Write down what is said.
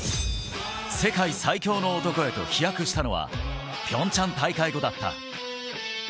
世界最強の男へと飛躍したのはピョンチャン大会後だった。